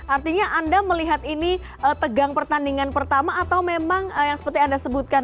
artinya anda melihat ini tegang pertandingan pertama atau memang yang seperti anda sebutkan